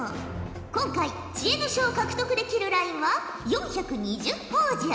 今回知恵の書を獲得できるラインは４２０ほぉじゃ。